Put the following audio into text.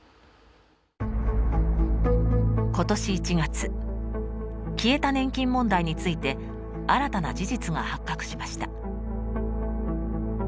今年１月消えた年金問題について新たな事実が発覚しました。